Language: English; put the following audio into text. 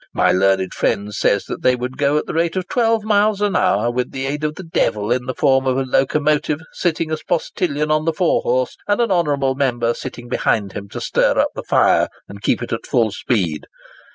My learned friend says that they would go at the rate of 12 miles an hour with the aid of the devil in the form of a locomotive, sitting as postilion on the fore horse, and an honourable member sitting behind him to stir up the fire, and keep it at full speed.